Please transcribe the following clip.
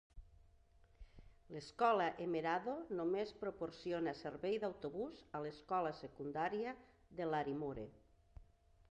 L'escola Emerado només proporciona servei d'autobús a l'escola secundària de Larimore.